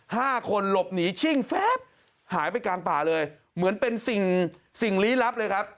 ห้าคนหลบหนีชิ่งแฟบหายไปกลางป่าเลยเหมือนเป็นสิ่งสิ่งลี้ลับเลยครับ